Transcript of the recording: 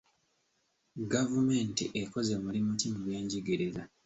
Gavumenti ekoze mulimu ki mu byenjigiriza?